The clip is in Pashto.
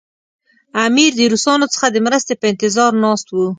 امیر د روسانو څخه د مرستې په انتظار ناست وو.